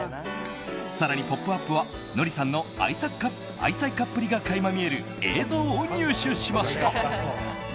更に「ポップＵＰ！」はノリさんの愛妻家っぷりが垣間見える映像を入手しました。